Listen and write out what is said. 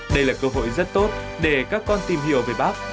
đây là cơ hội rất tốt để các con tìm hiểu về bác